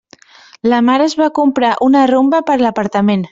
La Mar es va comprar una Rumba per a l'apartament.